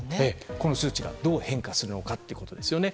この数値がどう変化するのかということですよね。